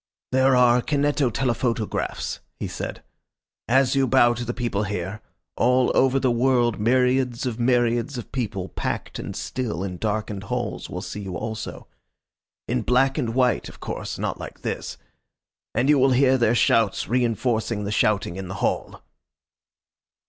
"There are kineto telephoto graphs," he said. "As you bow to the people here all over the world myriads of myriads of people, packed and still in darkened halls, will see you also. In black and white, of course not like this. And you will hear their shouts reinforcing the shouting in the hall.